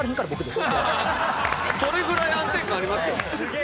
それぐらい安定感ありますよ。